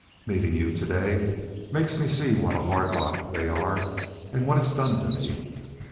Meetin' y'u to day makes me see what a hard lot they are an' what it's done to me."